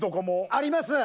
あります。